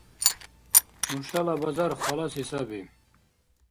Нушала базар халаси саби